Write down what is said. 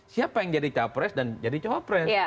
siapa yang jadi capres dan jadi cawapres